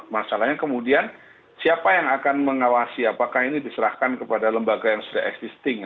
masalahnya kemudian siapa yang akan mengawasi apakah ini diserahkan kepada lembaga yang sudah existing